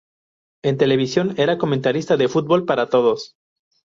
En televisión era comentarista de Fútbol Para Todos.